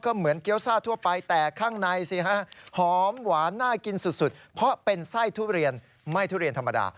เหมือนเกี้ยวซ่าทั่วไปแต่ข้างในสิฮะหอมหวานน่ากินสุดเพราะเป็นไส้ทุเรียนไม่ทุเรียนธรรมดา